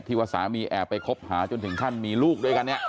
ว่าสามีแอบไปคบหาจนถึงขั้นมีลูกด้วยกันเนี่ย